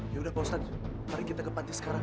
ya udah pak ustadz mari kita ke panti sekarang